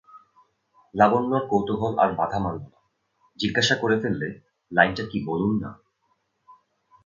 লাবণ্যর কৌতূহল আর বাধা মানল না, জিজ্ঞাসা করে ফেললে, লাইনটা কী বলুন-না।